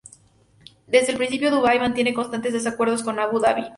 Desde el principio, Dubái mantuvo constantes desacuerdos con Abu Dhabi.